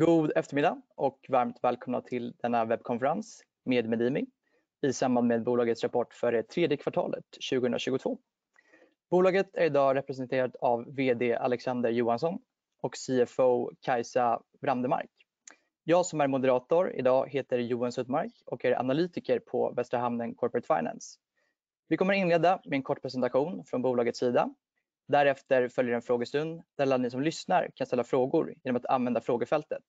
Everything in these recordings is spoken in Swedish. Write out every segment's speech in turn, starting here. God eftermiddag och varmt välkomna till denna webbkonferens med Servana i samband med bolagets rapport för det tredje kvartalet 2022. Bolaget är i dag representerat av VD Alexander Johansson och CFO Kajsa Wrandemark. Jag som är moderator i dag heter Johan Sudmark och är analytiker på Västra Hamnen Corporate Finance. Vi kommer att inleda med en kort presentation från bolagets sida. Därefter följer en frågestund där alla ni som lyssnar kan ställa frågor genom att använda frågefältet.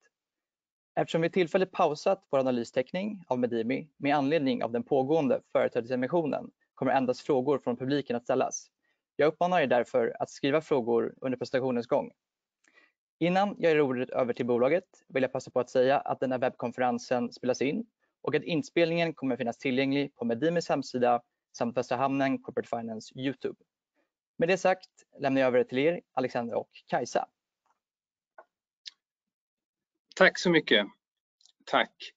Eftersom vi tillfälligt pausat vår analystäckning av Servana med anledning av den pågående företrädesemissionen kommer endast frågor från publiken att ställas. Jag uppmanar er därför att skriva frågor under presentationens gång. Innan jag ger ordet över till bolaget vill jag passa på att säga att denna webbkonferensen spelas in och att inspelningen kommer att finnas tillgänglig på Servanas hemsida samt Västra Hamnen Corporate Finance YouTube. Med det sagt lämnar jag över det till er, Alexander och Kajsa. Tack så mycket. Tack.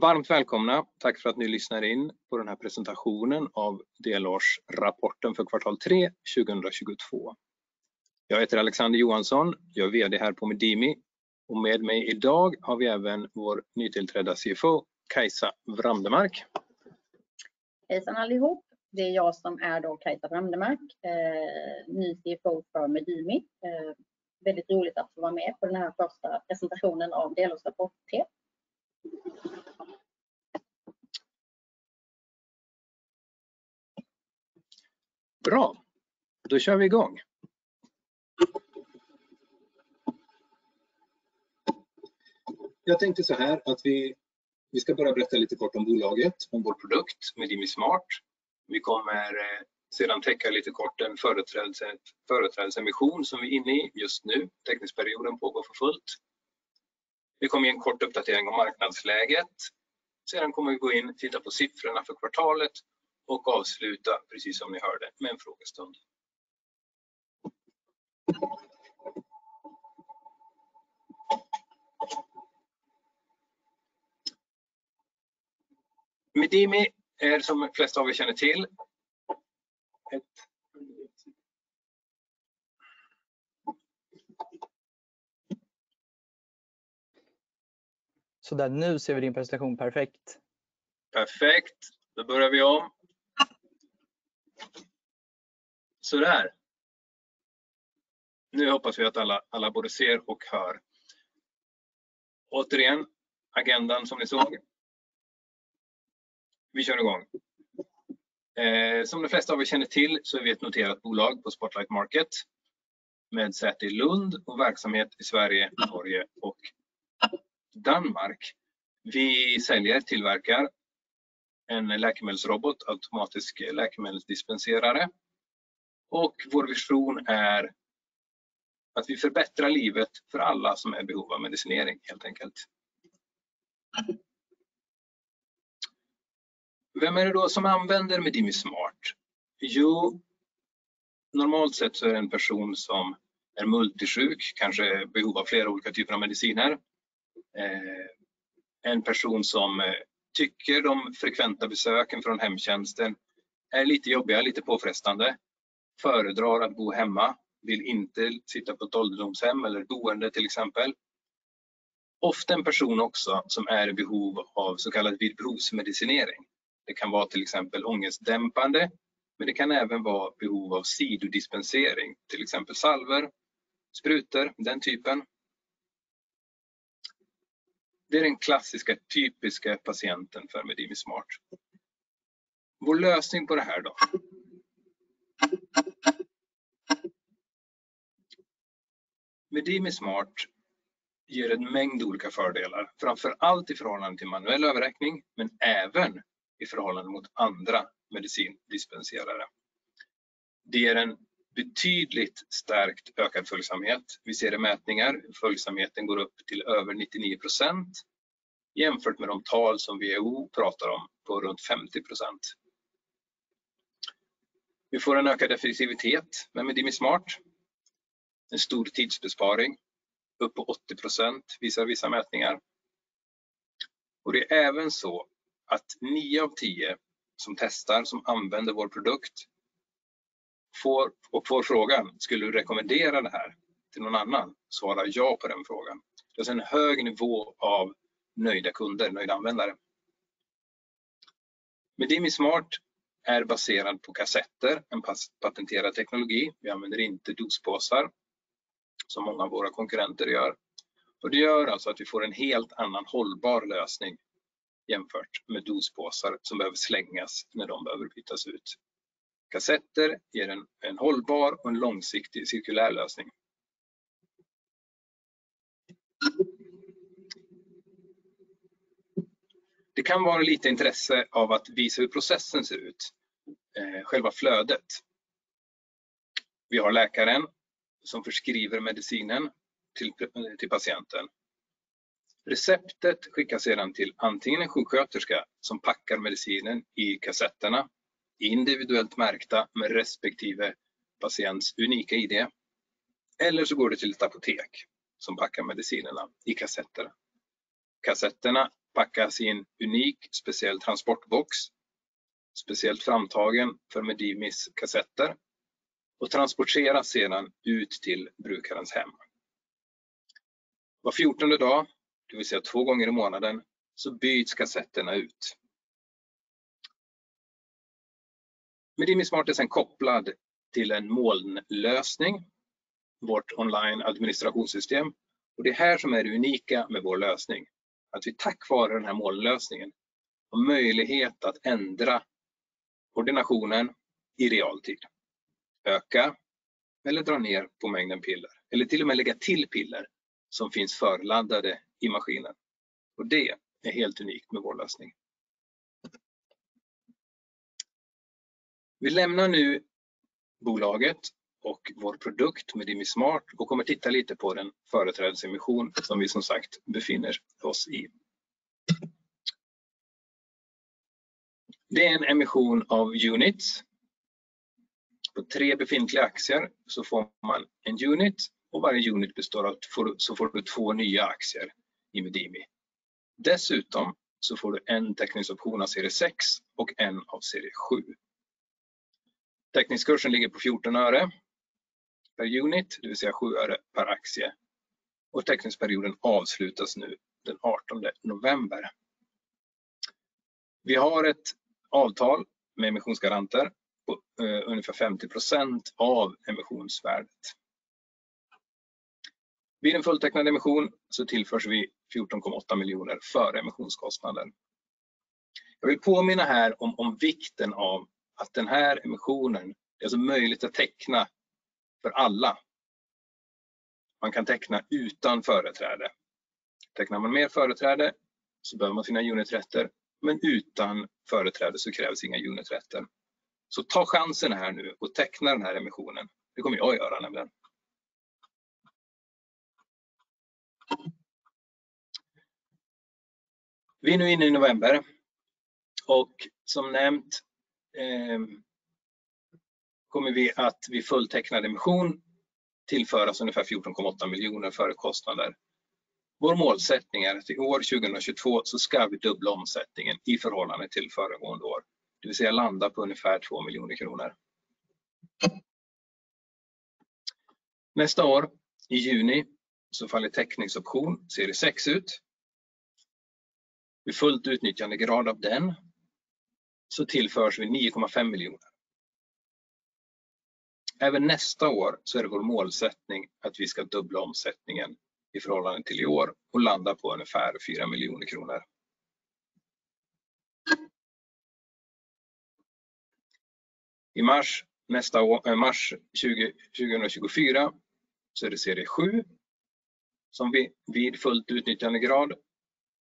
Varmt välkomna. Tack för att ni lyssnar in på den här presentationen av delårsrapporten för kvartal tre 2022. Jag heter Alexander Johansson, jag är VD här på Servana och med mig i dag har vi även vår nytillträdda CFO Kajsa Wrandemark. Hejsan allihop, det är jag som är då Kajsa Wrandemark, ny CFO för Servana. Väldigt roligt att få vara med på den här första presentationen av delårsrapport tre. Bra, då kör vi igång. Jag tänkte såhär att vi ska bara berätta lite kort om bolaget, om vår produkt MedimiSmart. Vi kommer sedan täcka lite kort den företrädesemission som vi är inne i just nu. Teckningsperioden pågår för fullt. Vi kommer ge en kort uppdatering om marknadsläget. Sedan kommer vi gå in och titta på siffrorna för kvartalet och avsluta precis som ni hörde med en frågestund. Medimi är som de flesta av er känner till ett... Sådär, nu ser vi din presentation perfekt. Perfekt. Då börjar vi om. Sådär. Nu hoppas vi att alla både ser och hör. Återigen, agendan som ni såg. Vi kör i gång. Som de flesta av er känner till så är vi ett noterat bolag på Spotlight Stock Market med säte i Lund och verksamhet i Sverige, Norge och Danmark. Vi säljer, tillverkar en läkemedelsrobot, automatisk läkemedelsdispenserare. Vår vision är att vi förbättrar livet för alla som är i behov av medicinering helt enkelt. Vem är det då som använder MedimiSmart? Jo, normalt sett så är det en person som är multisjuk, kanske är i behov av flera olika typer av mediciner. En person som tycker de frekventa besöken från hemtjänsten är lite jobbiga, lite påfrestande, föredrar att bo hemma, vill inte sitta på ett ålderdomshem eller boende till exempel. Ofta en person också som är i behov av så kallad vid behovsmedicinering. Det kan vara till exempel ångestdämpande, men det kan även vara behov av sidodispensering, till exempel salver, sprutor, den typen. Det är den klassiska typiska patienten för Medimi Smart. Vår lösning på det här då. Medimi Smart ger en mängd olika fördelar, framför allt i förhållande till manuell överräkning, men även i förhållande mot andra medicindispensering. Det ger en betydligt stärkt ökad följsamhet. Vi ser i mätningar, följsamheten går upp till över 99% jämfört med de tal som WHO pratar om på runt 50%. Vi får en ökad effektivitet med Medimi Smart. En stor tidsbesparing, upp mot 80% visar vissa mätningar. Det är även så att 9 av 10 som testar, som använder vår produkt får, och får frågan: "Skulle du rekommendera det här till någon annan?" Svarar ja på den frågan. Det är alltså en hög nivå av nöjda kunder, nöjda användare. MedimiSmart är baserad på kassetter, en patenterad teknologi. Vi använder inte dospåsar som många av våra konkurrenter gör. Det gör alltså att vi får en helt annan hållbar lösning jämfört med dospåsar som behöver slängas när de behöver bytas ut. Kassetter ger en hållbar och en långsiktig cirkulär lösning. Det kan vara lite intressant att visa hur processen ser ut, själva flödet. Vi har läkaren som förskriver medicinen till patienten. Receptet skickas sedan till antingen en sjuksköterska som packar medicinen i kassetterna, individuellt märkta med respektive patients unika id. Eller så går det till ett apotek som packar medicinerna i kassetter. Kassetterna packas i en unik speciell transportbox, speciellt framtagen för Medimis kassetter och transporteras sedan ut till brukarens hem. Var 14:e dag, det vill säga 2 gånger i månaden, så byts kassetterna ut. MedimiSmart är sedan kopplad till en molnlösning, vårt online administrationssystem. Det är här som är det unika med vår lösning. Att vi tack vare den här molnlösningen har möjlighet att ändra koordinationen i realtid, öka eller dra ner på mängden piller eller till och med lägga till piller som finns förladdade i maskinen. Det är helt unikt med vår lösning. Vi lämnar nu bolaget och vår produkt Medimi Smart och kommer titta lite på den företrädesemission som vi som sagt befinner oss i. Det är en emission av units. På 3 befintliga aktier så får man en unit och varje unit består av, så får du 2 nya aktier i Medimi. Dessutom så får du en teckningsoption av serie sex och en av serie sju. Teckningskursen ligger på SEK 0.14 per unit, det vill säga SEK 0.07 per aktie och teckningsperioden avslutas nu den 18 november. Vi har ett avtal med emissionsgaranter på ungefär 50% av emissionsvärdet. Vid en fulltecknad emission så tillförs vi SEK 14.8 million före emissionskostnaden. Jag vill påminna här om vikten av att den här emissionen är alltså möjligt att teckna för alla. Man kan teckna utan företräde. Tecknar man med företräde så behöver man sina uniträtter, men utan företräde så krävs inga uniträtter. Så ta chansen här nu och teckna den här emissionen. Det kommer jag att göra nämligen. Vi är nu inne i november och som nämnt, kommer vi att vid fulltecknad emission tillföras ungefär SEK 14.8 million före kostnader. Vår målsättning är att i år 2022 så ska vi dubbla omsättningen i förhållande till föregående år, det vill säga landa på ungefär SEK 2 million. Nästa år i juni så faller teckningsoption serie sex ut. Vid fullt utnyttjande grad av den så tillförs vi SEK 9.5 million. Även nästa år så är det vår målsättning att vi ska dubbla omsättningen i förhållande till i år och landa på ungefär SEK 4 million. I mars nästa år, mars 2024, så är det serie sju som vi vid fullt utnyttjande grad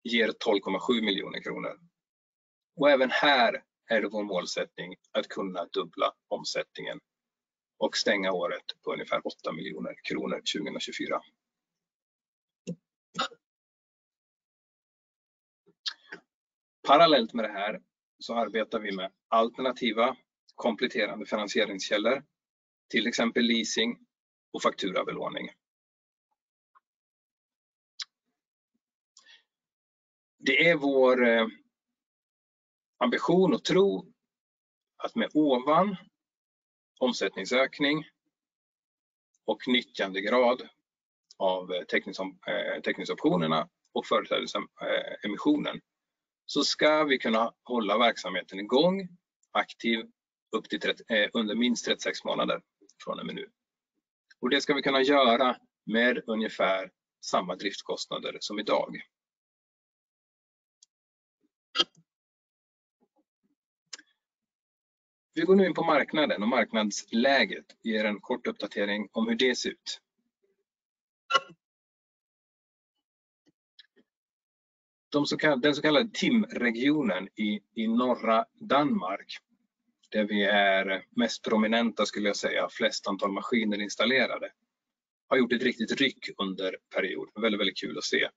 ger SEK 12.7 million. Även här är det vår målsättning att kunna dubbla omsättningen och stänga året på ungefär SEK 8 million 2024. Parallellt med det här så arbetar vi med alternativa kompletterande finansieringskällor, till exempel leasing och fakturabelåning. Det är vår ambition och tro att med ovan omsättningsökning och nyttjande grad av teckningsoptionerna och företrädesemissionen så ska vi kunna hålla verksamheten i gång aktiv under minst 36 månader från och med nu. Det ska vi kunna göra med ungefär samma driftskostnader som i dag. Vi går nu in på marknaden. Marknadsläget ger en kort uppdatering om hur det ser ut. Den så kallade Himmerland i norra Danmark, där vi är mest prominenta skulle jag säga, flest antal maskiner installerade, har gjort ett riktigt ryck under period. Väldigt, väldigt kul att se.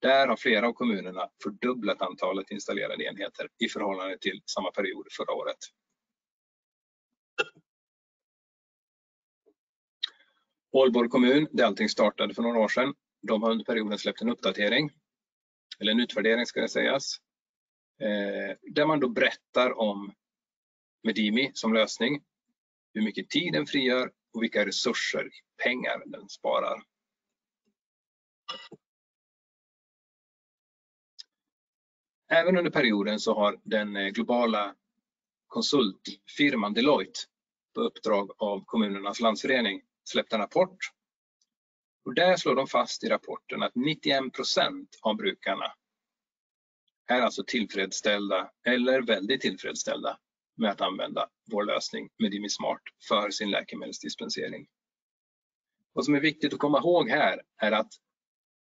Där har flera av kommunerna fördubblat antalet installerade enheter i förhållande till samma period förra året. Aalborg Kommune, där allting startade för några år sedan. De har under perioden släppt en uppdatering, eller en utvärdering ska det sägas. Där man då berättar om Medimi som lösning, hur mycket tid den frigör och vilka resurser, pengar den sparar. Även under perioden så har den globala konsultfirman Deloitte på uppdrag av Kommunernes Landsforening släppt en rapport. Där slår de fast i rapporten att 91% av brukarna är alltså tillfredsställda eller väldigt tillfredsställda med att använda vår lösning MedimiSmart för sin läkemedelsdispensering. Vad som är viktigt att komma ihåg här är att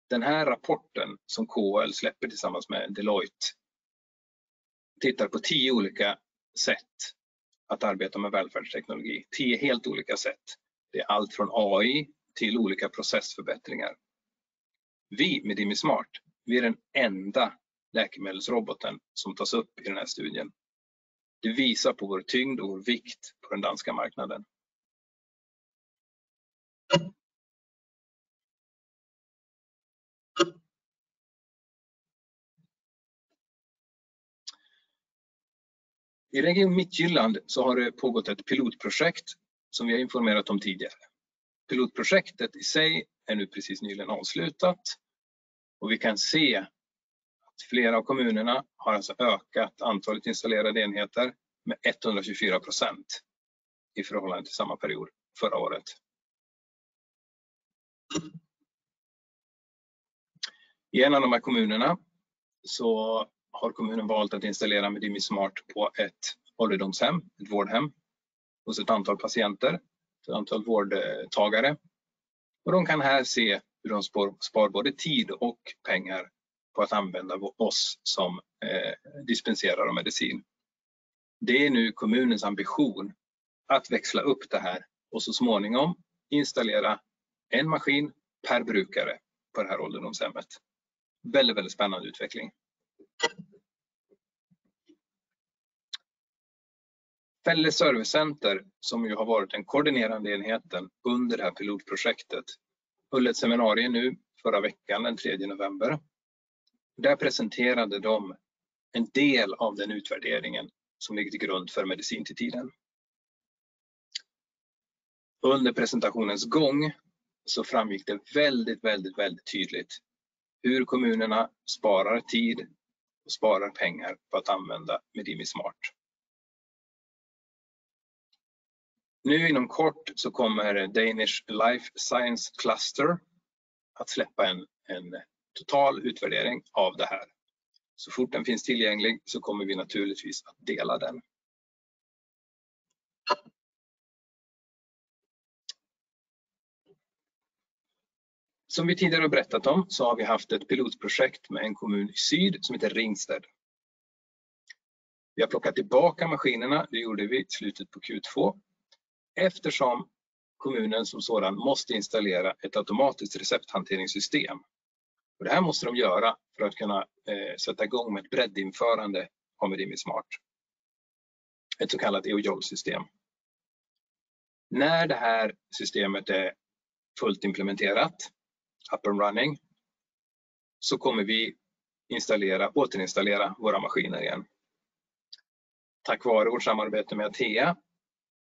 den här rapporten som KL släpper tillsammans med Deloitte tittar på 10 olika sätt att arbeta med välfärdsteknologi. 10 helt olika sätt. Det är allt från AI till olika processförbättringar. Vi, MedimiSmart, vi är den enda läkemedelsroboten som tas upp i den här studien. Det visar på vår tyngd och vår vikt på den danska marknaden. I Region Midtjylland så har det pågått ett pilotprojekt som vi har informerat om tidigare. Pilotprojektet i sig är nu precis nyligen avslutat och vi kan se att flera av kommunerna har alltså ökat antalet installerade enheter med 124% i förhållande till samma period förra året. I en av de här kommunerna så har kommunen valt att installera MedimiSmart på ett ålderdomshem, ett vårdhem, hos ett antal patienter, ett antal vårdtagare. De kan här se hur de spar både tid och pengar på att använda oss som dispensierare av medicin. Det är nu kommunens ambition att växla upp det här och så småningom installera en maskin per brukare på det här ålderdomshemmet. Väldigt spännande utveckling. Fælles Service Center, som ju har varit den koordinerande enheten under det här pilotprojektet, höll ett seminarium nu förra veckan den tredje november. Där presenterade de en del av den utvärderingen som ligger till grund för Medicin til tiden. Under presentationens gång så framgick det väldigt tydligt hur kommunerna sparar tid och sparar pengar på att använda MedimiSmart. Nu inom kort så kommer Danish Life Science Cluster att släppa en total utvärdering av det här. Så fort den finns tillgänglig så kommer vi naturligtvis att dela den. Som vi tidigare har berättat om så har vi haft ett pilotprojekt med en kommun i syd som heter Ringsted. Vi har plockat tillbaka maskinerna, det gjorde vi i slutet på Q2, eftersom kommunen som sådan måste installera ett automatiskt recepthanteringssystem. Det här måste de göra för att kunna sätta i gång med ett breddinförande av MedimiSmart. Ett så kallat eJournal-system. När det här systemet är fullt implementerat, up and running, så kommer vi installera, återinstallera våra maskiner igen. Tack vare vårt samarbete med Atea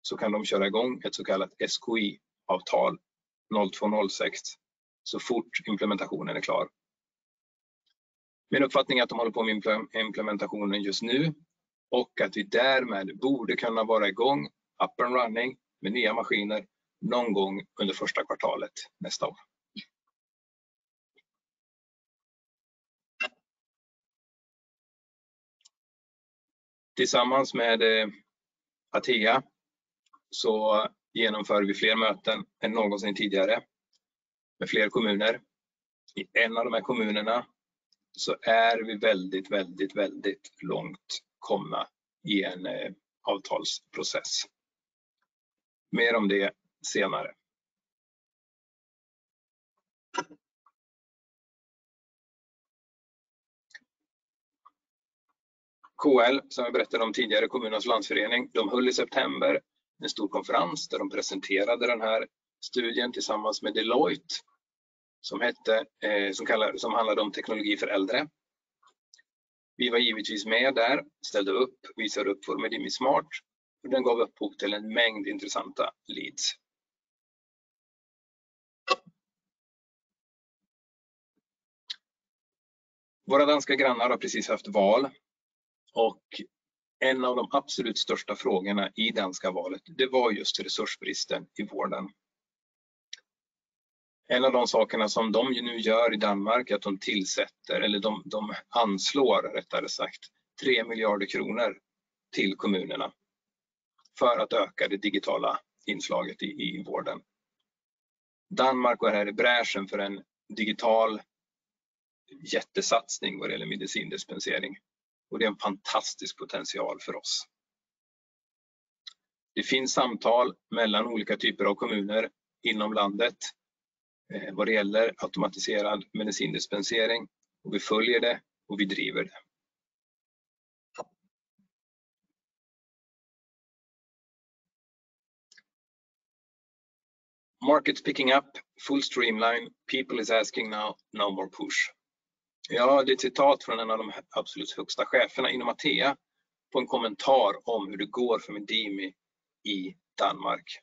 så kan de köra i gång ett så kallat SKI-aftale 02.06 så fort implementationen är klar. Min uppfattning är att de håller på med implementationen just nu och att vi därmed borde kunna vara i gång, up and running, med nya maskiner någon gång under första kvartalet nästa år. Tillsammans med Atea så genomför vi fler möten än någonsin tidigare med fler kommuner. I en av de här kommunerna så är vi väldigt långt komna i en avtalsprocess. Mer om det senare. KL, som jag berättade om tidigare, Kommunernes Landsforening, de höll i september en stor konferens där de presenterade den här studien tillsammans med Deloitte som handlade om teknologi för äldre. Vi var givetvis med där, ställde upp, visade upp vår MedimiSmart och den gav upphov till en mängd intressanta leads. Våra danska grannar har precis haft val och en av de absolut största frågorna i danska valet, det var just resursbristen i vården. En av de sakerna som de nu gör i Danmark är att de tillsätter eller de anslår, rättare sagt, DKK 3 billion till kommunerna för att öka det digitala inslaget i vården. Danmark går här i bräschen för en digital jättesatsning vad det gäller medicindispensering och det är en fantastisk potential för oss. Det finns samtal mellan olika typer av kommuner inom landet vad det gäller automatiserad medicindispensering. Vi följer det och vi driver det. "Market picking up, full streamline, people is asking now, no more push." Ja, det är ett citat från en av de absolut högsta cheferna inom Atea på en kommentar om hur det går för Medimi i Danmark.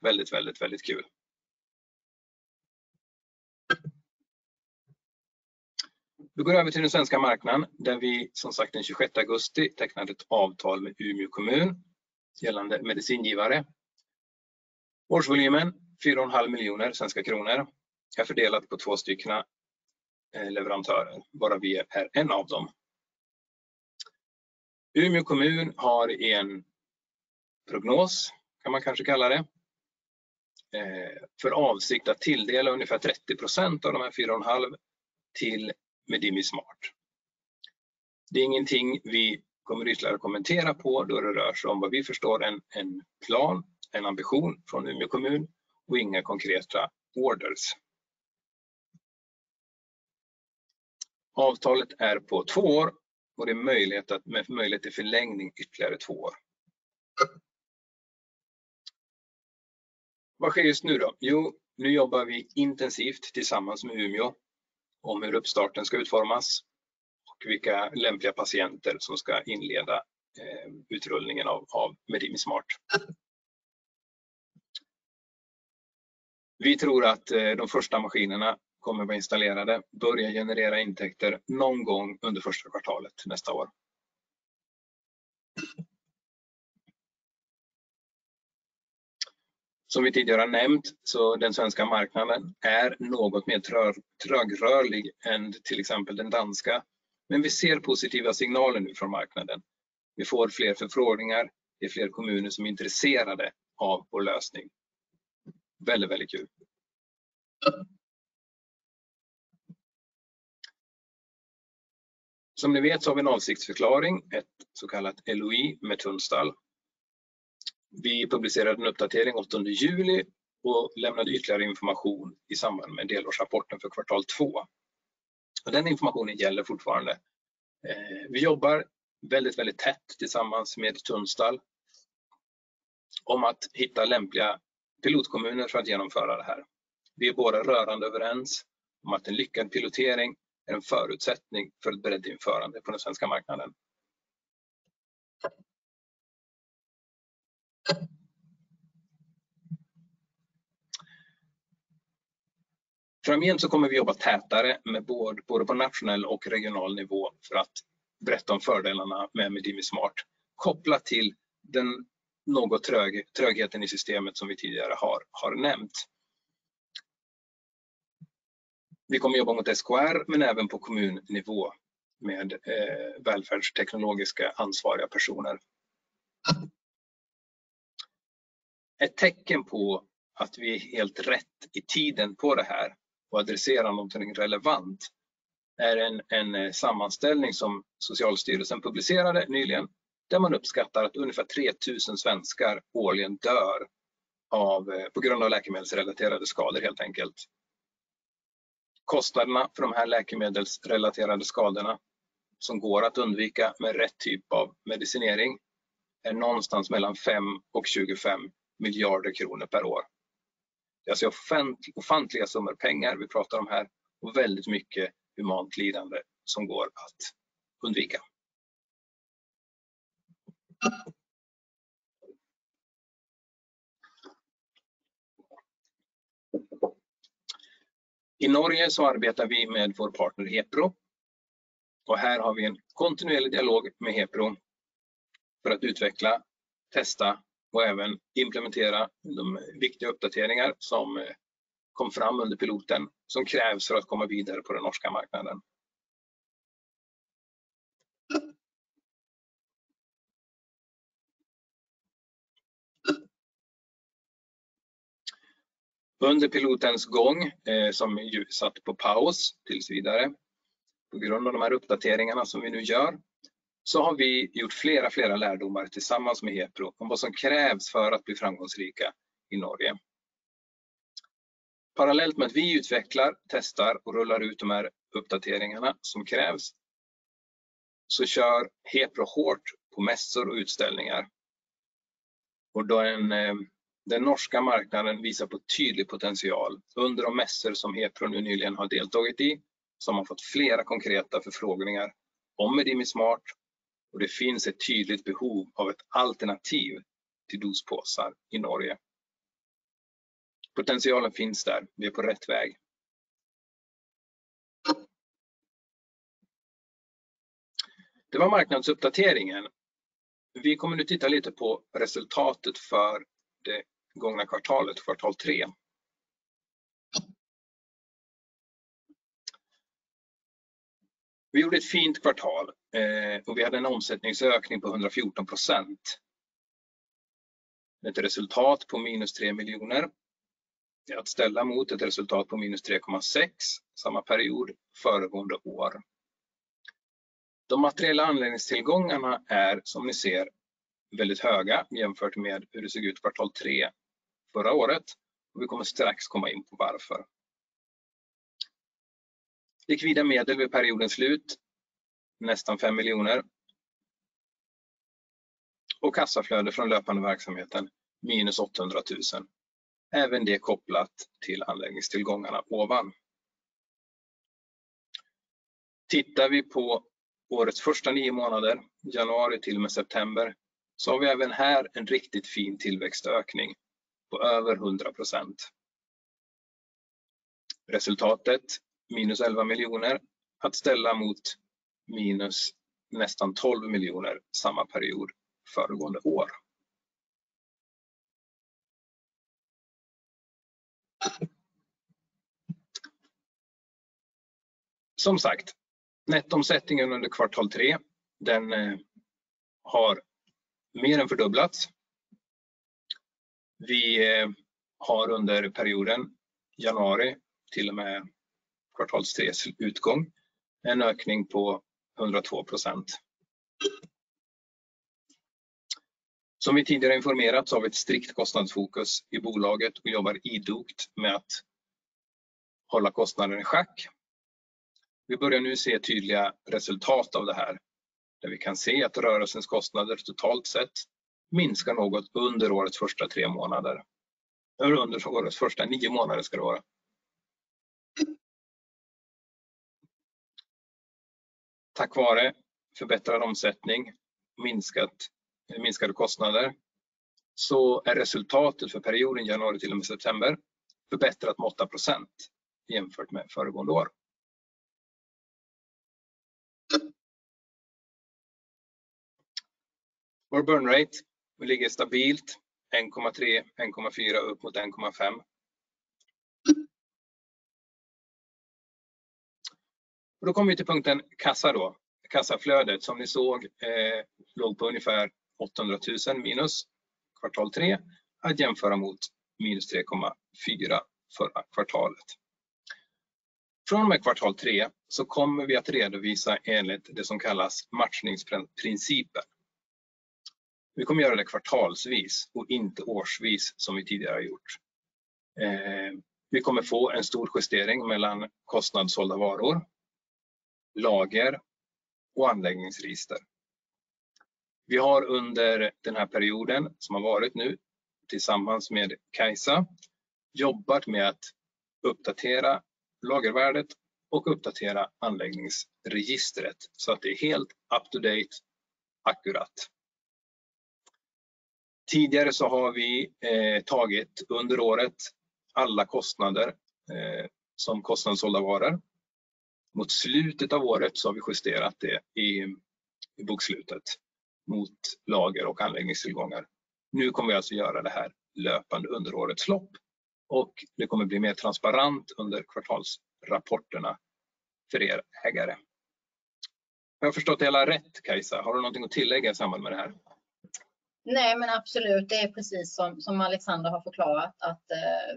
Väldigt, väldigt kul. Då går vi över till den svenska marknaden, där vi som sagt den 26 augusti tecknade ett avtal med Umeå kommun gällande medicingivare. Årsvolymen, SEK 4.5 million, är fördelat på två stycken leverantörer, varav vi är en av dem. Umeå kommun har en prognos, kan man kanske kalla det, för avsikt att tilldela ungefär 30% av de här 4.5 till MedimiSmart. Det är ingenting vi kommer ytterligare att kommentera på då det rör sig om vad vi förstår en plan, en ambition från Umeå kommun och inga konkreta order. Avtalet är på 2 år och det är möjlighet till förlängning ytterligare 2 år. Vad sker just nu då? Jo, nu jobbar vi intensivt tillsammans med Umeå om hur uppstarten ska utformas och vilka lämpliga patienter som ska inleda utrullningen av MedimiSmart. Vi tror att de första maskinerna kommer vara installerade, börja generera intäkter någon gång under första kvartalet nästa år. Som vi tidigare har nämnt så den svenska marknaden är något mer trögrörlig än till exempel den danska, men vi ser positiva signaler nu från marknaden. Vi får fler förfrågningar, det är fler kommuner som är intresserade av vår lösning. Väldigt, väldigt kul. Som ni vet så har vi en avsiktsförklaring, ett så kallat LOI med Tunstall. Vi publicerade en uppdatering den åttonde juli och lämnade ytterligare information i samband med delårsrapporten för kvartal två. Den informationen gäller fortfarande. Vi jobbar väldigt tätt tillsammans med Tunstall om att hitta lämpliga pilotkommuner för att genomföra det här. Vi är båda rörande överens om att en lyckad pilotering är en förutsättning för ett breddinförande på den svenska marknaden. Framgent så kommer vi att jobba tätare med både på nationell och regional nivå för att berätta om fördelarna med MedimiSmart, kopplat till den något trögheten i systemet som vi tidigare har nämnt. Vi kommer jobba mot SKR men även på kommunnivå med välfärdsteknologiska ansvariga personer. Ett tecken på att vi är helt rätt i tiden på det här och adresserar någonting relevant är en sammanställning som Socialstyrelsen publicerade nyligen, där man uppskattar att ungefär 3,000 svenskar årligen dör av, på grund av läkemedelsrelaterade skador helt enkelt. Kostnaderna för de här läkemedelsrelaterade skadorna som går att undvika med rätt typ av medicinering är någonstans mellan SEK 5 billion och SEK 25 billion per år. Det är alltså ofantliga summor pengar vi pratar om här och väldigt mycket humant lidande som går att undvika. I Norge så arbetar vi med vår partner Hepro. Här har vi en kontinuerlig dialog med Hepro för att utveckla, testa och även implementera de viktiga uppdateringar som kom fram under piloten som krävs för att komma vidare på den norska marknaden. Under pilotens gång, som ju satt på paus tills vidare, på grund av de här uppdateringarna som vi nu gör, så har vi gjort flera lärdomar tillsammans med Hepro om vad som krävs för att bli framgångsrika i Norge. Parallellt med att vi utvecklar, testar och rullar ut de här uppdateringarna som krävs, så kör Hepro hårt på mässor och utställningar. Den norska marknaden visar på tydlig potential under de mässor som Hepro nu nyligen har deltagit i, så har man fått flera konkreta förfrågningar om Medimi Smart och det finns ett tydligt behov av ett alternativ till dospåsar i Norge. Potentialen finns där, vi är på rätt väg. Det var marknadsuppdateringen. Vi kommer nu titta lite på resultatet för det gångna kvartalet, kvartal tre. Vi gjorde ett fint kvartal, och vi hade en omsättningsökning på 114%. Ett resultat på -3 miljoner SEK. Det är att ställa mot ett resultat på SEK -3.6 million, samma period föregående år. De materiella anläggningstillgångarna är, som ni ser, väldigt höga jämfört med hur det såg ut kvartal tre förra året. Vi kommer strax komma in på varför. Likvida medel vid periodens slut, almost SEK 5 million. Kassaflöde från löpande verksamheten, SEK -800,000. Även det kopplat till anläggningstillgångarna ovan. Tittar vi på årets första nio månader, januari till och med september, så har vi även här en riktigt fin tillväxtökning på over 100%. Resultatet, SEK -11 million, att ställa mot SEK - almost 12 million samma period föregående år. Som sagt, nettoomsättningen under kvartal tre, den har mer än fördubblats. Vi har under perioden januari till och med kvartal tre utgång en ökning på 102%. Som vi tidigare informerat så har vi ett strikt kostnadsfokus i bolaget och jobbar idogt med att hålla kostnaden i schack. Vi börjar nu se tydliga resultat av det här, där vi kan se att rörelsens kostnader totalt sett minskar något under årets första tre månader. Eller under årets första nio månader ska det vara. Tack vare förbättrad omsättning, minskade kostnader, så är resultatet för perioden januari till och med september förbättrat med 8% jämfört med föregående år. Vår burn rate ligger stabilt 1.3, 1.4 upp mot 1.5. Då kommer vi till punkten kassa. Kassaflödet som ni såg låg på ungefär SEK 800,000 minus kvartal tre att jämföra mot minus SEK 3.4 million förra kvartalet. Från och med kvartal tre så kommer vi att redovisa enligt det som kallas matchningsprinciper. Vi kommer att göra det kvartalsvis och inte årsvis som vi tidigare har gjort. Vi kommer få en stor justering mellan kostnad sålda varor, lager och anläggningstillgångar. Vi har under den här perioden som har varit nu tillsammans med Kajsa jobbat med att uppdatera lagervärdet och uppdatera anläggningsregistret så att det är helt up to date, exakt. Tidigare så har vi tagit under året alla kostnader som kostnad sålda varor. Mot slutet av året så har vi justerat det i bokslutet mot lager och anläggningstillgångar. Nu kommer vi alltså att göra det här löpande under årets lopp och det kommer att bli mer transparent under kvartalsrapporterna för er ägare. Har jag förstått det hela rätt Kajsa? Har du någonting att tillägga i samband med det här? Nej men absolut, det är precis som Alexander har förklarat att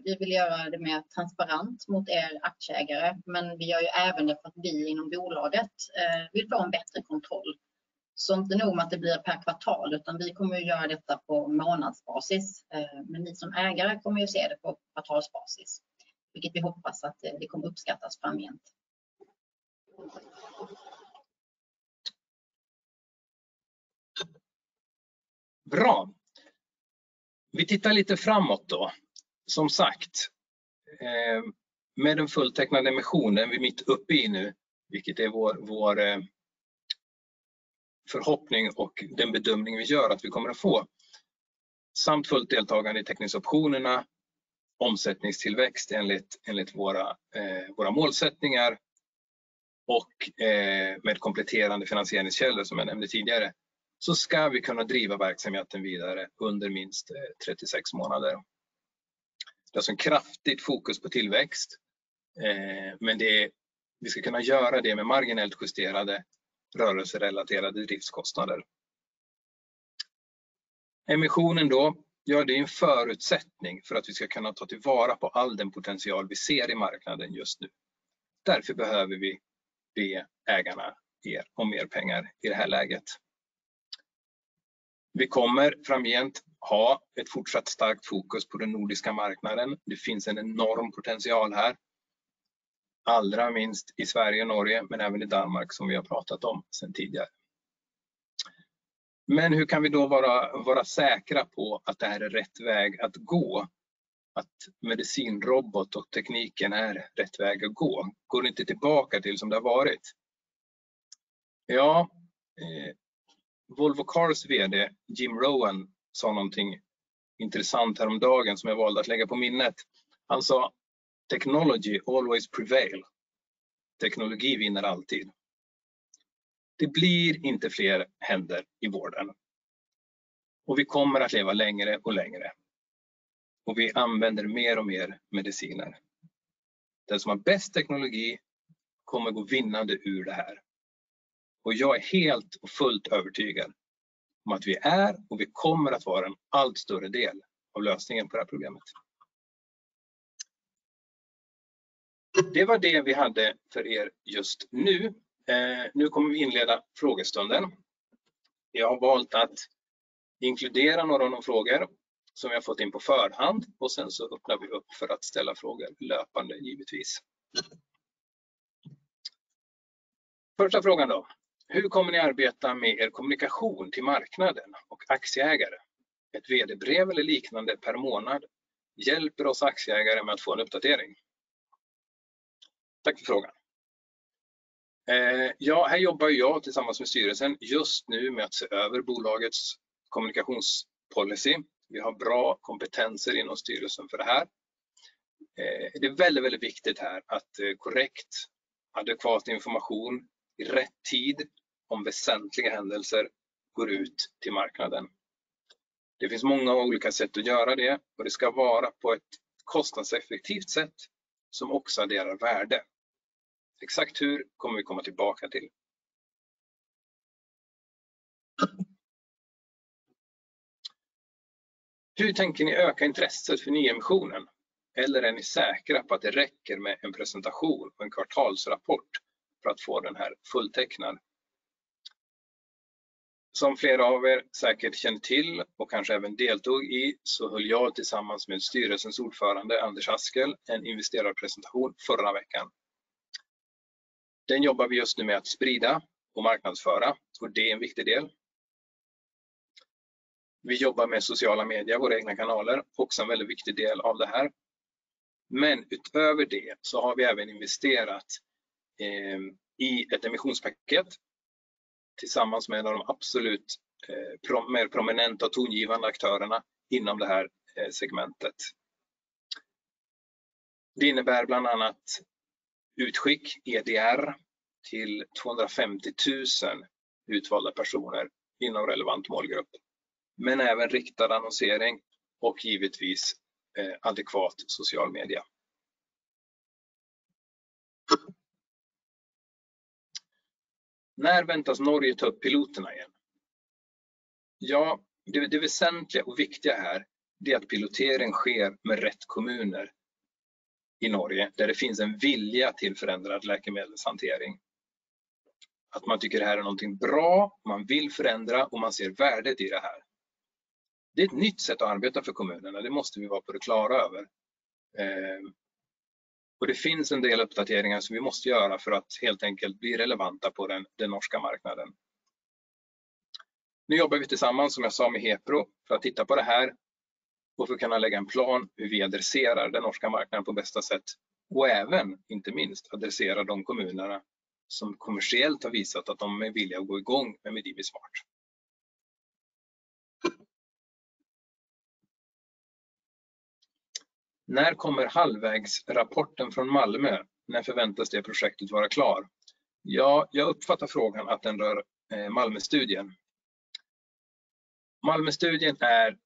vi vill göra det mer transparent mot er aktieägare. Vi gör ju även det för att vi inom bolaget vill få en bättre kontroll. Inte nog med att det blir per kvartal, vi kommer att göra detta på månadsbasis. Ni som ägare kommer att se det på kvartalsbasis, vilket vi hoppas att det kommer uppskattas framgent. Bra. Vi tittar lite framåt då. Som sagt, med den fulltecknade emissionen vi är mitt uppe i nu, vilket är vår förhoppning och den bedömning vi gör att vi kommer att få. Samt fullt deltagande i teckningsoptionerna, omsättningstillväxt enligt våra målsättningar och med kompletterande finansieringskällor som jag nämnde tidigare, så ska vi kunna driva verksamheten vidare under minst 36 månader. Det är alltså ett kraftigt fokus på tillväxt. Vi ska kunna göra det med marginellt justerade rörelserelaterade driftskostnader. Emissionen då? Ja, det är en förutsättning för att vi ska kunna ta tillvara på all den potential vi ser i marknaden just nu. Därför behöver vi be ägarna er om mer pengar i det här läget. Vi kommer framgent ha ett fortsatt starkt fokus på den nordiska marknaden. Det finns en enorm potential här. Allra minst i Sverige och Norge, men även i Danmark som vi har pratat om sedan tidigare. Hur kan vi då vara säkra på att det här är rätt väg att gå? Att medicinrobot och tekniken är rätt väg att gå? Går det inte tillbaka till som det har varit? Ja, Volvo Cars VD, Jim Rowan, sa någonting intressant häromdagen som jag valde att lägga på minnet. Han sa: "Technology always prevail." Teknologi vinner alltid. Det blir inte fler händer i vården och vi kommer att leva längre och längre. Vi använder mer och mer mediciner. Den som har bäst teknologi kommer gå vinnande ur det här. Jag är helt och fullt övertygad om att vi är och vi kommer att vara en allt större del av lösningen på det här problemet. Det var det vi hade för er just nu. Nu kommer vi inleda frågestunden. Jag har valt att inkludera några av de frågor som vi har fått in på förhand och sen så öppnar vi upp för att ställa frågor löpande givetvis. Första frågan då: Hur kommer ni arbeta med er kommunikation till marknaden och aktieägare? Ett VD-brev eller liknande per månad hjälper oss aktieägare med att få en uppdatering. Tack för frågan. Ja, här jobbar ju jag tillsammans med styrelsen just nu med att se över bolagets kommunikationspolicy. Vi har bra kompetenser inom styrelsen för det här. Det är väldigt viktigt här att korrekt, adekvat information i rätt tid om väsentliga händelser går ut till marknaden. Det finns många olika sätt att göra det och det ska vara på ett kostnadseffektivt sätt som också adderar värde. Exakt hur kommer vi komma tillbaka till. Hur tänker ni öka intresset för nyemissionen? Är ni säkra på att det räcker med en presentation och en kvartalsrapport för att få den här fulltecknad? Som flera av er säkert känner till och kanske även deltog i, så höll jag tillsammans med styrelsens ordförande Anders Åsell en investerarpresentation förra veckan. Den jobbar vi just nu med att sprida och marknadsföra, tror det är en viktig del. Vi jobbar med sociala medier, våra egna kanaler, också en väldigt viktig del av det här. Utöver det så har vi även investerat i ett emissionspaket tillsammans med en av de absolut mer prominenta och tongivande aktörerna inom det här segmentet. Det innebär bland annat utskick, EDR, till 250,000 utvalda personer inom relevant målgrupp, men även riktad annonsering och givetvis adekvat social media. När väntas Norge ta upp piloterna igen? Det väsentliga och viktiga här är att pilotering sker med rätt kommuner i Norge, där det finns en vilja till förändrad läkemedelshantering. Att man tycker det här är någonting bra, man vill förändra och man ser värdet i det här. Det är ett nytt sätt att arbeta för kommunerna. Det måste vi vara på det klara över. Det finns en del uppdateringar som vi måste göra för att helt enkelt bli relevanta på den norska marknaden. Nu jobbar vi tillsammans, som jag sa, med Hepro för att titta på det här och för att kunna lägga en plan hur vi adresserar den norska marknaden på bästa sätt och även inte minst adressera de kommunerna som kommersiellt har visat att de är villiga att gå igång med MedimiSmart. När kommer halvvägsrapporten från Malmö? När förväntas det projektet vara klart? Ja, jag uppfattar frågan att den rör Malmöstudien. Malmöstudien är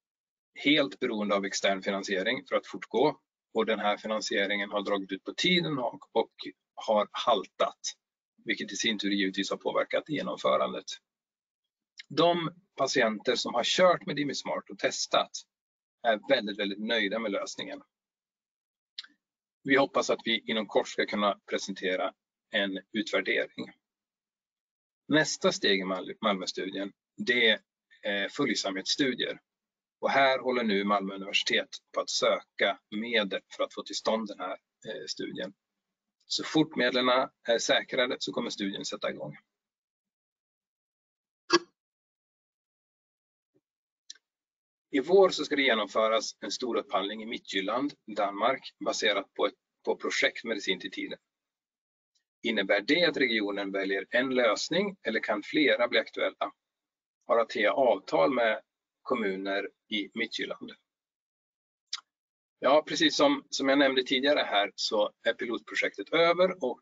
helt beroende av extern finansiering för att fortgå och den här finansieringen har dragit ut på tiden och har haltat, vilket i sin tur givetvis har påverkat genomförandet. De patienter som har kört MedimiSmart och testat är väldigt nöjda med lösningen. Vi hoppas att vi inom kort ska kunna presentera en utvärdering. Nästa steg i Malmöstudien, det är följsamhetsstudier. Här håller nu Malmö universitet på att söka medel för att få till stånd den här studien. Så fort medlen är säkrade så kommer studien sätta i gång. I vår så ska det genomföras en stor upphandling i Mittjylland, Danmark, baserat på projekt Medicin til tiden. Innebär det att regionen väljer en lösning eller kan flera bli aktuella? Har Atea avtal med kommuner i Mittjylland? Ja, precis som jag nämnde tidigare här så är pilotprojektet över och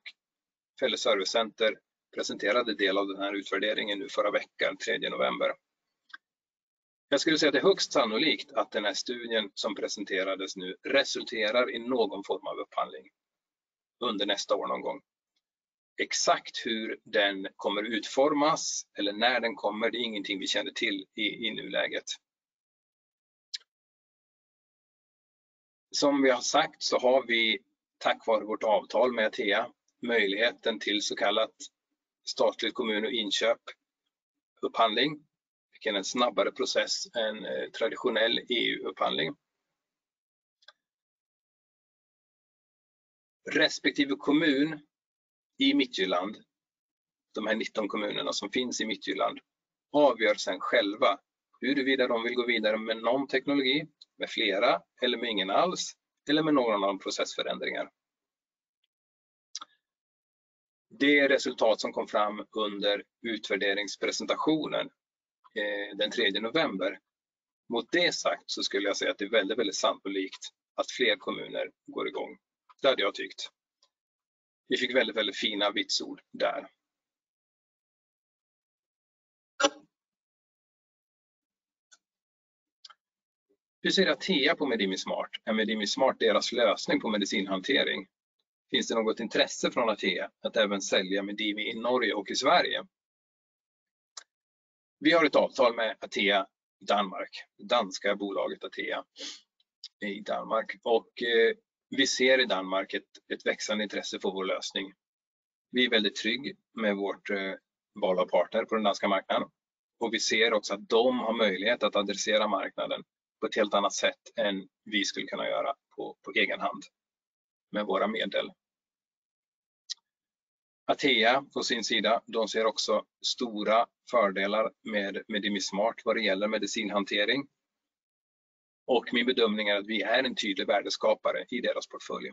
Fælles Service Center presenterade del av den här utvärderingen nu förra veckan, 3 november. Jag skulle säga att det är högst sannolikt att den här studien som presenterades nu resulterar i någon form av upphandling under nästa år någon gång. Exakt hur den kommer utformas eller när den kommer, det är ingenting vi känner till i nuläget. Som vi har sagt så har vi tack vare vårt avtal med Atea möjligheten till så kallat statligt, kommunalt och inköp, upphandling, vilket är en snabbare process än traditionell EU-upphandling. Respektive kommun i Mittjylland, de här 19 kommunerna som finns i Mittjylland, avgör sen själva huruvida de vill gå vidare med någon teknologi, med flera eller med ingen alls eller med någon annan processförändringar. Det resultat som kom fram under utvärderingspresentationen den tredje november, mot det sagt så skulle jag säga att det är väldigt sannolikt att fler kommuner går igång. Det hade jag tyckt. Vi fick väldigt fina vitsord där. Hur ser Atea på MedimiSmart? Är MedimiSmart deras lösning på medicinhantering? Finns det något intresse från Atea att även sälja Medimi i Norge och i Sverige? Vi har ett avtal med Atea Danmark, det danska bolaget Atea i Danmark, och vi ser i Danmark ett växande intresse för vår lösning. Vi är väldigt trygga med vårt val av partner på den danska marknaden och vi ser också att de har möjlighet att adressera marknaden på ett helt annat sätt än vi skulle kunna göra på egen hand med våra medel. Atea på sin sida, de ser också stora fördelar med MedimiSmart vad det gäller medicinhantering. Min bedömning är att vi är en tydlig värdeskapare i deras portfölj.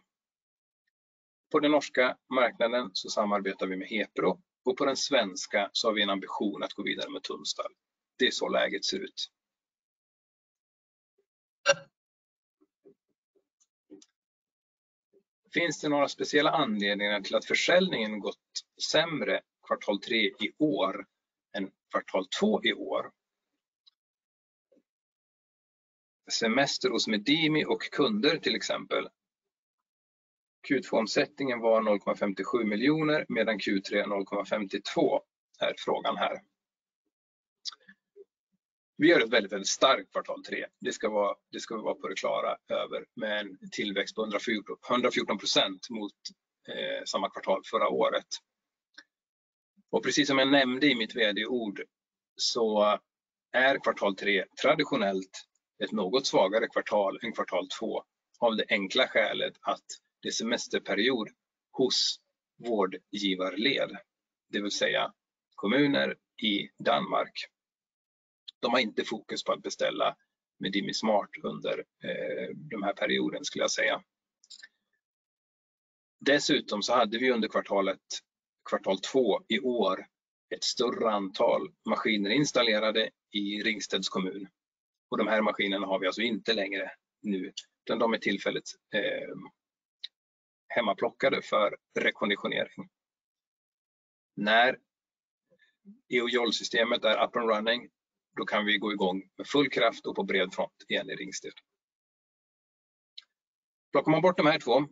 På den norska marknaden så samarbetar vi med Hepro och på den svenska så har vi en ambition att gå vidare med Tunstall. Det är så läget ser ut. Finns det några speciella anledningar till att försäljningen gått sämre kvartal tre i år än kvartal två i år? Semester hos Medimi och kunder till exempel. Q2-omsättningen var SEK 0.57 million medan Q3 är SEK 0.52 million är frågan här. Vi gör ett väldigt starkt kvartal tre. Det ska vi vara på det klara över med en tillväxt på 114% mot samma kvartal förra året. Precis som jag nämnde i mitt vd-ord så är kvartal tre traditionellt ett något svagare kvartal än kvartal två. Av det enkla skälet att det är semesterperiod hos vårdgivarled, det vill säga kommuner i Danmark. De har inte fokus på att beställa MedimiSmart under de här perioden skulle jag säga. Dessutom så hade vi under kvartalet, kvartal 2 i år ett större antal maskiner installerade i Ringsted Kommune. Och de här maskinerna har vi alltså inte längre nu, utan de är tillfälligt hemmaplockade för rekonditionering. När eJournal-systemet är up and running, då kan vi gå i gång med full kraft och på bred front igen i Ringsted. Plockar man bort de här två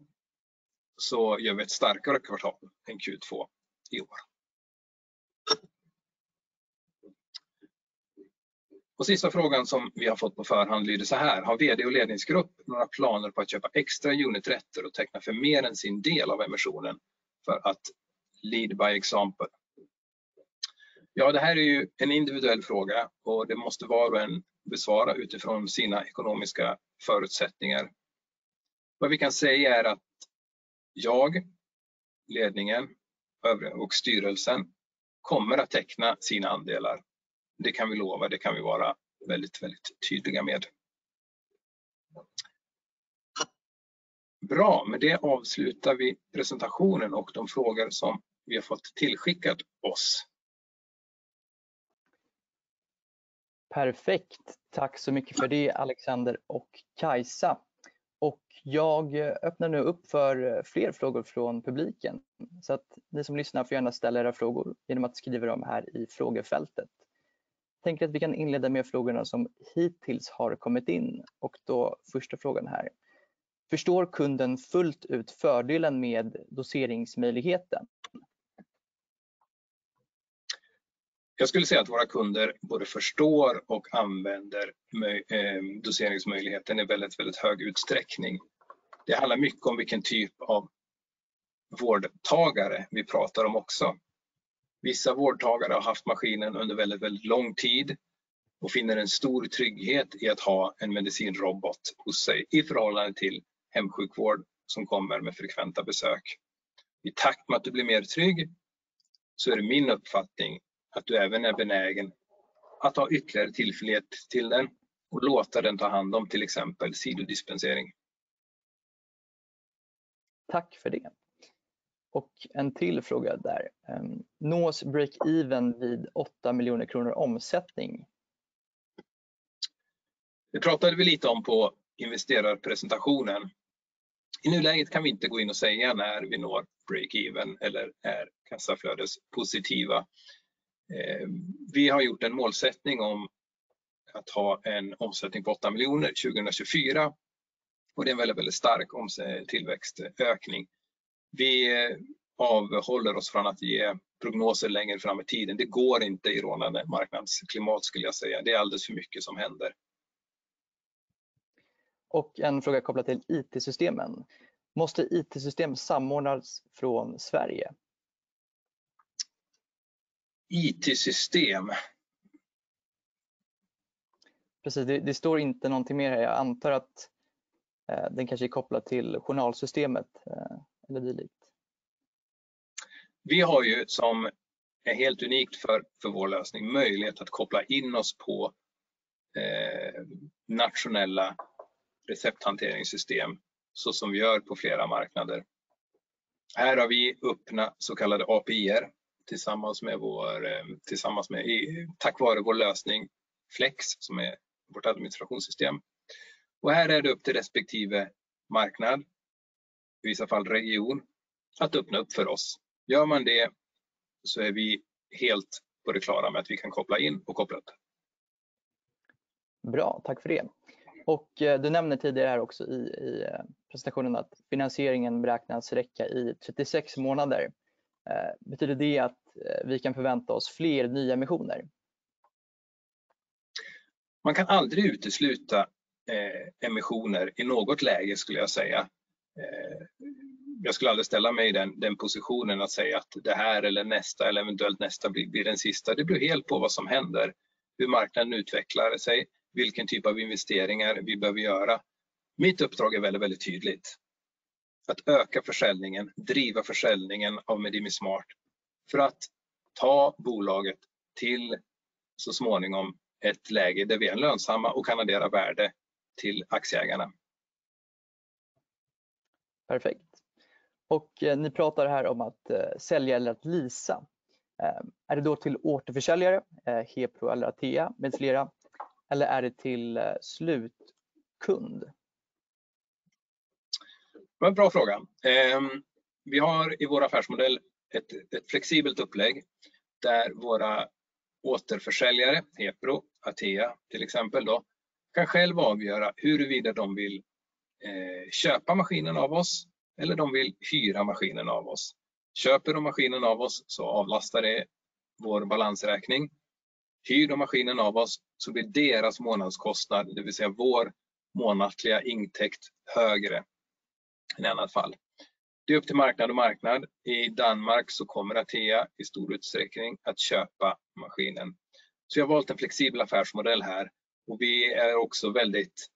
så gör vi ett starkare kvartal än Q2 i år. Och sista frågan som vi har fått på förhand lyder såhär: Har VD och ledningsgrupp några planer på att köpa extra uniträtter och teckna för mer än sin del av emissionen för att lead by example? Ja, det här är ju en individuell fråga och det måste var och en besvara utifrån sina ekonomiska förutsättningar. Vad vi kan säga är att jag, ledningen och styrelsen kommer att teckna sina andelar. Det kan vi lova, det kan vi vara väldigt tydliga med. Bra, med det avslutar vi presentationen och de frågor som vi har fått tillskickat oss. Perfekt. Tack så mycket för det, Alexander och Kajsa. Jag öppnar nu upp för fler frågor från publiken. Så att ni som lyssnar får gärna ställa era frågor genom att skriva dem här i frågefältet. Tänker att vi kan inleda med frågorna som hittills har kommit in. Då första frågan här. Förstår kunden fullt ut fördelen med doseringsmöjligheten? Jag skulle säga att våra kunder både förstår och använder doseringmöjligheten i väldigt hög utsträckning. Det handlar mycket om vilken typ av vårdtagare vi pratar om också. Vissa vårdtagare har haft maskinen under väldigt lång tid och finner en stor trygghet i att ha en medicinrobot hos sig i förhållande till hemsjukvård som kommer med frekventa besök. I takt med att du blir mer trygg, så är det min uppfattning att du även är benägen att ha ytterligare tillförlit till den och låta den ta hand om till exempel sidodispensering. Tack för det. En till fråga där. Nå break even vid SEK 8 million omsättning? Det pratade vi lite om på investerarpresentationen. I nuläget kan vi inte gå in och säga när vi når break even eller är kassaflödespositiva. Vi har gjort en målsättning om att ha en omsättning på SEK 8 miljoner 2024 och det är en väldigt stark tillväxtökning. Vi avhåller oss från att ge prognoser längre fram i tiden. Det går inte i rådande marknadsklimat skulle jag säga. Det är alldeles för mycket som händer. En fråga kopplat till IT-systemen. Måste IT-system samordnas från Sverige? It-system? Precis, det står inte någonting mer här. Jag antar att den kanske är kopplad till eJournal-systemet eller dylikt. Vi har ju som är helt unikt för vår lösning, möjlighet att koppla in oss på nationella recepthanteringssystem så som vi gör på flera marknader. Här har vi öppna så kallade API:er tack vare vår lösning Flex, som är vårt administrationssystem. Här är det upp till respektive marknad, i vissa fall region, att öppna upp för oss. Gör man det så är vi helt på det klara med att vi kan koppla in och koppla upp. Bra, tack för det. Du nämner tidigare här också i presentationen att finansieringen beräknas räcka i 36 månader. Betyder det att vi kan förvänta oss fler nyemissioner? Man kan aldrig utesluta emissioner i något läge skulle jag säga. Jag skulle aldrig ställa mig i den positionen att säga att det här eller nästa eller eventuellt nästa blir den sista. Det beror helt på vad som händer, hur marknaden utvecklar sig, vilken typ av investeringar vi behöver göra. Mitt uppdrag är väldigt tydligt. Att öka försäljningen, driva försäljningen av MedimiSmart för att ta bolaget till så småningom ett läge där vi är lönsamma och kan addera värde till aktieägarna. Perfekt. Ni pratar här om att sälja eller att leasa. Är det då till återförsäljare, Hepro eller Atea med flera? Är det till slutkund? Det var en bra fråga. Vi har i vår affärsmodell ett flexibelt upplägg där våra återförsäljare, Hepro, Atea till exempel då, kan själva avgöra huruvida de vill köpa maskinen av oss eller de vill hyra maskinen av oss. Köper de maskinen av oss så avlastar det vår balansräkning. Hyr de maskinen av oss så blir deras månadskostnad, det vill säga vår månatliga intäkt, högre än i annat fall. Det är upp till marknad och marknad. I Danmark så kommer Atea i stor utsträckning att köpa maskinen. Så jag har valt en flexibel affärsmodell här och vi är också väldigt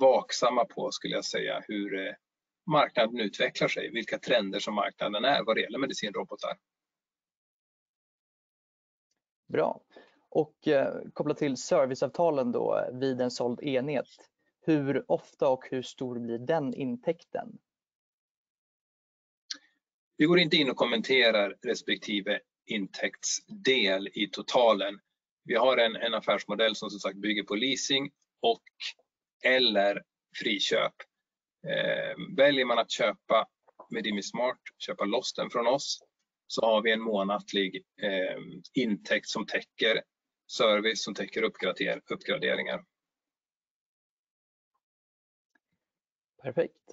vaksamma på, skulle jag säga, hur marknaden utvecklar sig, vilka trender som marknaden är på vad det gäller medicinrobotar. Bra. Kopplat till serviceavtalen då vid en såld enhet. Hur ofta och hur stor blir den intäkten? Vi går inte in och kommenterar respektive intäktsdel i totalen. Vi har en affärsmodell som sagt bygger på leasing och eller friköp. Väljer man att köpa MedimiSmart, köpa loss den från oss, så har vi en månatlig intäkt som täcker service, som täcker uppgraderingar. Perfekt.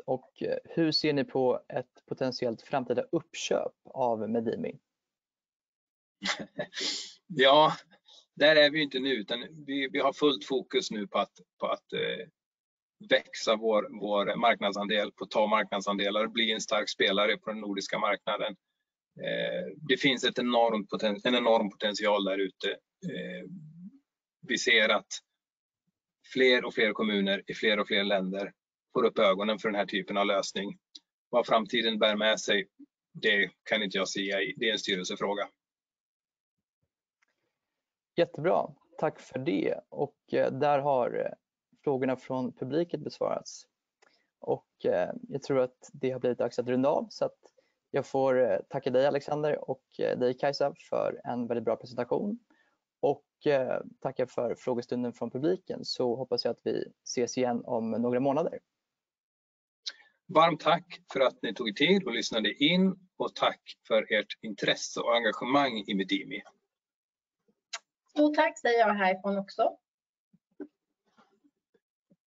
Hur ser ni på ett potentiellt framtida uppköp av Medimi? Ja, där är vi inte nu, utan vi har fullt fokus nu på att växa vår marknadsandel, på att ta marknadsandelar, bli en stark spelare på den nordiska marknaden. Det finns en enorm potential där ute. Vi ser att fler och fler kommuner i fler och fler länder får upp ögonen för den här typen av lösning. Vad framtiden bär med sig, det kan inte jag sia i. Det är en styrelsefråga. Jättebra. Tack för det. Där har frågorna från publiken besvarats. Jag tror att det har blivit dags att runda av. Att jag får tacka dig Alexander och dig Kajsa för en väldigt bra presentation. Tacka för frågestunden från publiken. Hoppas jag att vi ses igen om några månader. Varmt tack för att ni tog er tid och lyssnade in och tack för ert intresse och engagemang i Medimi. Stort tack säger jag härifrån också.